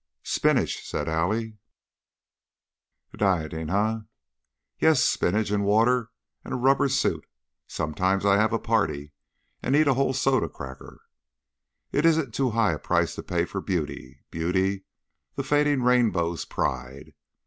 "Spinach!" said Allie. "Dieting, eh?" "Yes. Spinach and water and a rubber suit. Sometimes I have a party and eat a whole soda cracker." "It isn't too high a price to pay for beauty beauty, 'the fading rainbow's pride.'